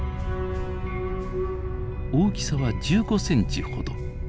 大きさは１５ｃｍほど。